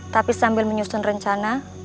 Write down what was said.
tapi sambil menyusun rencana